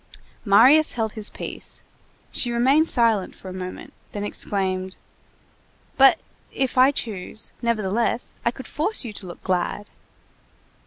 Marius held his peace; she remained silent for a moment, then exclaimed:— "But if I choose, nevertheless, I could force you to look glad!"